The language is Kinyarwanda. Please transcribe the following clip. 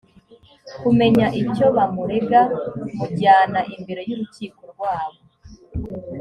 kumenya icyo bamurega mujyana imbere y urukiko rwabo